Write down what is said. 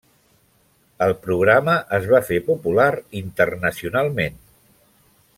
El programa es va fer popular internacionalment.